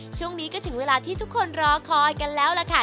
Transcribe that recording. ช่วงนี้ก็ถึงเวลาที่ทุกคนรอคอยกันแล้วล่ะค่ะ